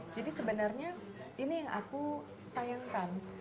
jadi sebenarnya ini yang aku sayangkan